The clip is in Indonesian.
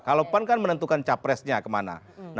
kalau pan kan menentukan capresnya kemana